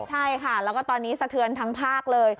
ใช่ค่ะแล้วก็ตอนนี้สะเทือนทั้งภาคเลย